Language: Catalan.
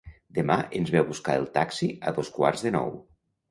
Demà ens ve a buscar el taxi a dos quarts de nou.